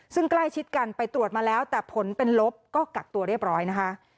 ซึ่งใกล้ชิดกันไปตรวจมาแล้วแต่ผลเป็นลบก็กักตัวเรียบร้อยนะคะ